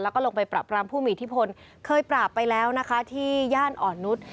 แล้วก็ลงไปปรับรามผู้มีอิทธิพลเคยปราบไปแล้วนะคะที่ย่านอ่อนนุษย์